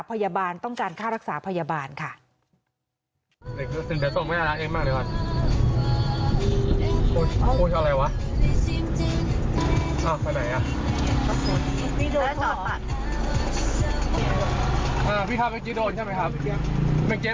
อ๋อพี่ครับเมื่อกี้โดนใช่ไหมครับ